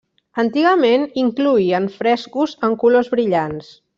Antigament incloïen frescos en colors brillants.